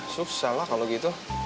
susah lah kalo gitu